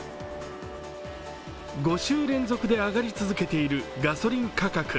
５週連続で上がり続けているガソリン価格。